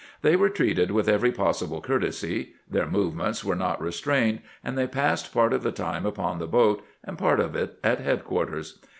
They were treated with every possible courtesy ; their movements were not restrained, and they passed part of the time upon the boat, and part of it at headquarters.